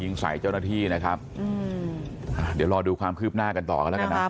ยิงใส่เจ้าหน้าที่นะครับอืมอ่าเดี๋ยวรอดูความคืบหน้ากันต่อกันแล้วกันนะ